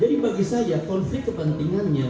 jadi bagi saya konflik kepentingannya